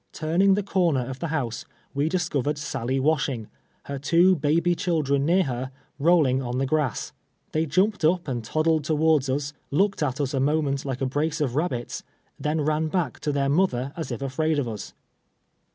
Tui ning the comer of the house, wc discovered Sally washing — her two baby children near her, rolling on the grass. They jumped uj) and toddU d towards us, looked at us a moment like a l)race of rabljits, then ran back to their mother as if afraid of us.